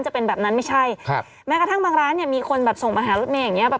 จะเป็นแบบนั้นไม่ใช่แม้กระทั่งบางร้านนี้มีคนแบบส่งมาหารสเมฆอย่างนี้